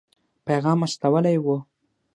پیغام استولی وو.